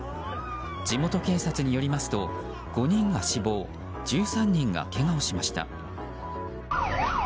地元警察によりますと５人が死亡１３人がけがをしました。